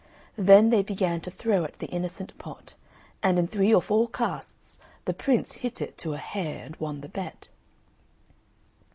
Then they began to throw at the innocent pot; and in three or four casts the prince hit it to a hair and won the bet.